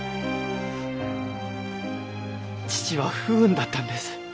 父は不運だったんです。